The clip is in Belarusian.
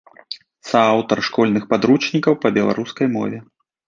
Сааўтар школьных падручнікаў па беларускай мове.